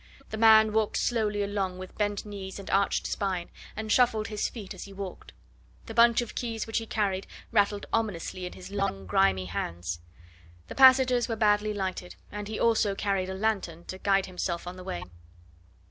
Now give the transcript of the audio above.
The man walked slowly along with bent knees and arched spine, and shuffled his feet as he walked; the bunch of keys which he carried rattled ominously in his long, grimy hands; the passages were badly lighted, and he also carried a lanthorn to guide himself on the way.